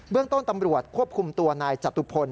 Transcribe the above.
เรื่องต้นตำรวจควบคุมตัวนายจตุพล